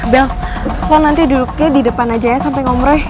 bel kok nanti duduknya di depan aja ya sampai omre